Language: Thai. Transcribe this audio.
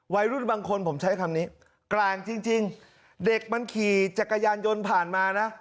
วัยรุ่นบางคนผมใช้คำนี้กลางจริงเด็กมันขี่จักรยานยนต์ผ่านมานะ